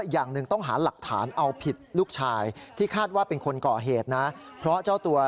อย่างหนึ่งต้องหาหลักฐานเอาผิดลูกชายที่คาดว่าเป็นคนก่อเหตุนะเพราะเจ้าตัว